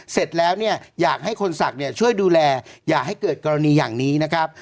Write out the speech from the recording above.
เสร็จแล้วเนี่ยอยากให้คนศักดิ์ช่วยดูแลอย่าให้เกิดกรณีอย่างนี้นะครับ